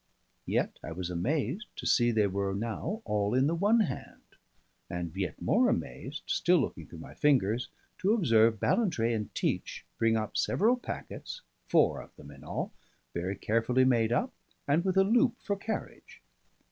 Yet I was amazed to see they were now all in the one hand; and yet more amazed (still looking through my fingers) to observe Ballantrae and Teach bring up several packets, four of them in all, very carefully made up, and with a loop for carriage.